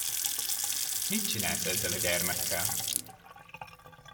Mit csinálsz ezzel a gyermekkel?